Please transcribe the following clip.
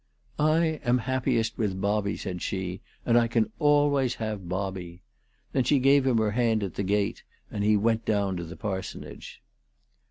" I am happiest with Bobby," said she ; "and I can always have Bobby." Then she gave him her hand at the gate, and he went down to the parsonage.